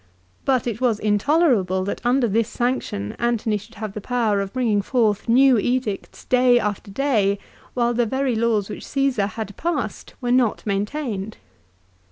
But it was intolerable that under this sanction Antony should have the power of bringing forth new edicts day after day, while the very laws which Caesar had passed were not maintained.